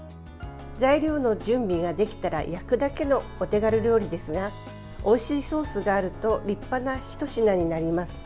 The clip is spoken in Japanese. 材料の準備ができたら焼くだけのお手軽料理ですがおいしいソースがあると立派なひと品になります。